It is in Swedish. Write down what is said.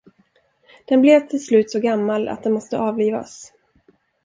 Den blev till slut så gammal att den måste avlivas.